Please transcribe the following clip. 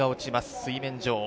水面上。